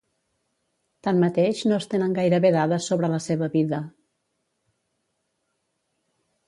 Tanmateix no es tenen gairebé dades sobre la seva vida.